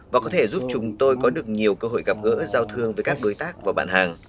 và có thể giúp chúng tôi có được nhiều cơ hội gặp gỡ giao thương với các đối tác và bạn hàng